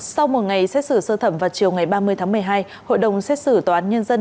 sau một ngày xét xử sơ thẩm vào chiều ngày ba mươi tháng một mươi hai hội đồng xét xử tòa án nhân dân